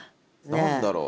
何だろう？